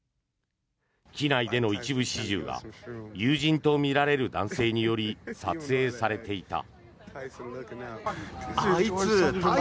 機内での一部始終が友人とみられる男性により撮影されていった。